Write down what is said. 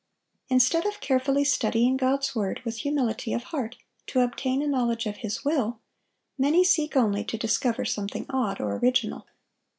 Instead of carefully studying God's word with humility of heart to obtain a knowledge of His will, many seek only to discover something odd or original.